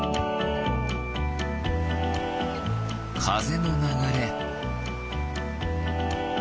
かぜのながれ。